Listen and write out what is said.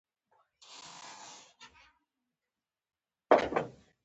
راکټ له اور او تیلو جوړ دی